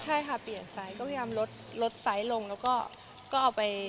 ใช่ค่ะเปลี่ยนซ้ายก็พยายามลดลดไซส์ลงแล้วก็เอาไป